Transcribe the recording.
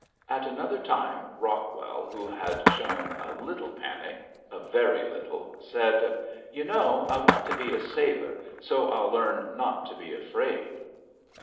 At another time Rockwell, who had shown a little panic a very little said: "You know I want to be a sailor so I'll learn not to be afraid."